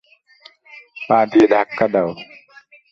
পা দিয়ে ধাক্কা দাও!